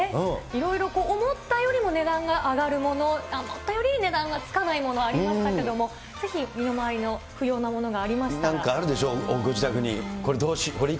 いろいろ思ったよりも値段が上がるもの、思ったより値段がつかないもの、ありましたけど、ぜひ、身の回りなんかあるでしょう、ご自宅に。